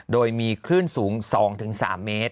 โดยมีคลื่นสูง๒๓เมตร